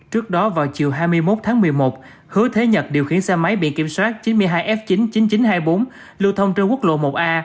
trước đó vào chiều hai mươi một tháng một mươi một hứa thế nhật điều khiển xe máy bị kiểm soát chín mươi hai f chín nghìn chín trăm hai mươi bốn lưu thông trên quốc lộ một a